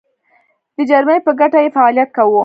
د جرمني په ګټه یې فعالیت کاوه.